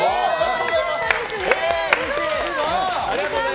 うれしい！